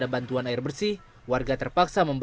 dari sungai cikembang pak bawah